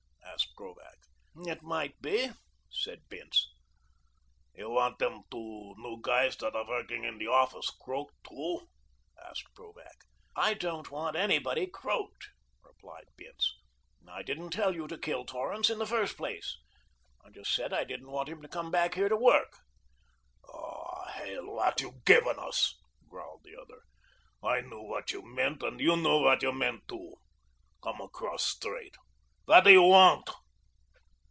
asked Krovac. "It might be," said Bince. "You want them two new guys that are working in the office croaked, too?" asked Krovac. "I don't want anybody 'croaked'," replied Bince. "I didn't tell you to kill Torrance in the first place. I just said I didn't want him to come back here to work." "Ah, hell, what you givin' us?" growled the other. "I knew what you meant and you knew what you meant, too. Come across straight. What do you want?"